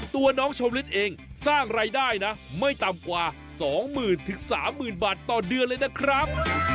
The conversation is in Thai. ตัวน้องชมฤทธิ์เองสร้างรายได้นะไม่ต่ำกว่าสองหมื่นถึงสามหมื่นบาทต่อเดือนเลยนะครับ